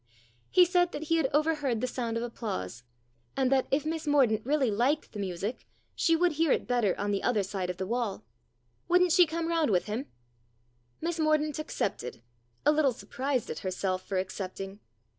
He said that he had over heard the sound of applause, and that if Miss Mordaunt really liked the music she would hear it better on the other side of the wall Wouldn't she come round with him ? M 178 STORIES IN GREY Miss Mordaunt accepted, a little surprised at herself for accepting.